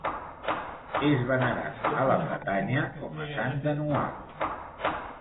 És venerat a la Bretanya com a Sant Denoual.